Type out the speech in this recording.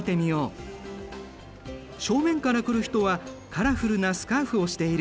正面から来る人はカラフルなスカーフをしている。